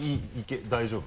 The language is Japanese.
大丈夫？